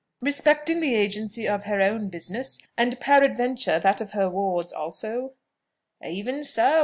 "Respecting the agency of her own business, and peradventure that of her ward's also?" "Even so.